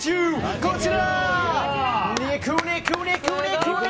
こちら！